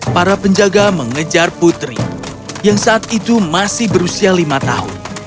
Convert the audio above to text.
para penjaga mengejar putri yang saat itu masih berusia lima tahun